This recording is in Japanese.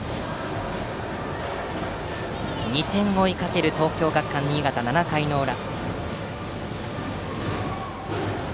２点を追いかける東京学館新潟、７回の裏。